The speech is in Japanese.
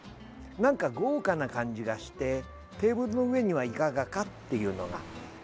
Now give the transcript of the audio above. なんか豪華な感じがしてテーブルの上にはいかがかというが。